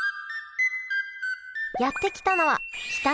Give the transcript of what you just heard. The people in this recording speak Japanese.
やって来たのは北の大地